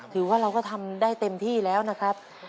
ถือว่าเราก็ทำได้เต็มที่แล้วนะครับ